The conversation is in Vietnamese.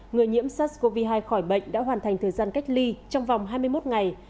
người nhiễm sars cov hai khỏi bệnh đã hoàn thành thời gian cách ly trong vòng hai mươi một ngày